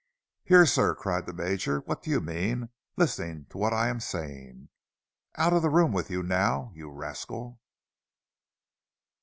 "Here, sir!" cried the Major, "what do you mean—listening to what I'm saying! Out of the room with you now, you rascal!"